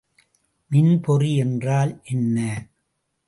மின்பொறி என்றால் என்ன?